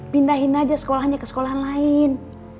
pindahin aja sekolahnya ke sekolah lain